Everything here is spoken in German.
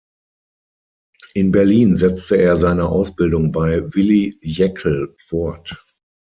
In Berlin setzte er seine Ausbildung bei Willy Jaeckel fort.